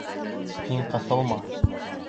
Һин ҡыҫылма!